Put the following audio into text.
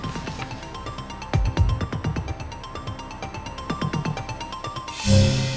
boleh saya liat bu